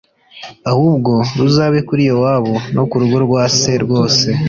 Ahubwo ruzabe kuri Yowabu no ku rugo rwa se rwose